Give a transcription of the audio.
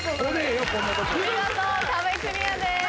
見事壁クリアです。